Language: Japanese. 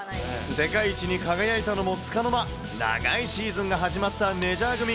世界一に輝いたのもつかの間、長いシーズンが始まったメジャー組。